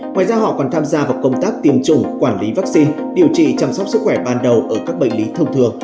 ngoài ra họ còn tham gia vào công tác tiêm chủng quản lý vaccine điều trị chăm sóc sức khỏe ban đầu ở các bệnh lý thông thường